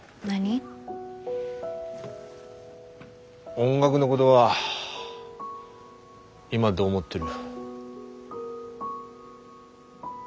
音楽のごどは今どう思ってる？